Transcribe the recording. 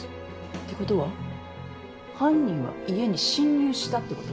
ってことは犯人が家に侵入したってこと？